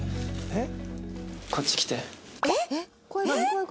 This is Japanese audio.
えっ？